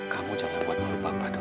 kamu jangan buat malu papa dong